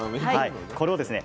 これをですね